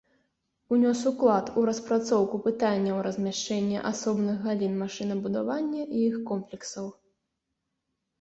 Унёс уклад у распрацоўку пытанняў размяшчэння асобных галін машынабудавання і іх комплексаў.